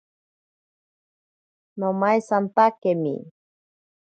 Nomaisatakemi.